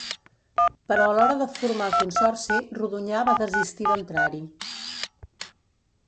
Però a l'hora de formar el consorci, Rodonyà va desistir d'entrar-hi.